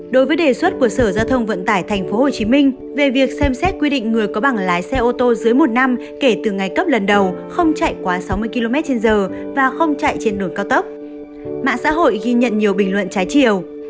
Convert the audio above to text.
đối với đề xuất của sở giao thông vận tải tp hcm về việc xem xét quy định người có bảng lái xe ô tô dưới một năm kể từ ngày cấp lần đầu không chạy quá sáu mươi km trên giờ và không chạy trên đường cao tốc mạng xã hội ghi nhận nhiều bình luận trái chiều